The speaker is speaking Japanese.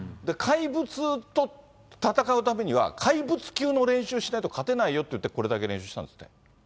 怪物と戦うためには、怪物級の練習しないと勝てないよっていってこれだけ練習したんですって。